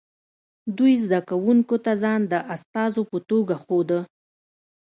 دوی زده کوونکو ته ځان د استازو په توګه ښوده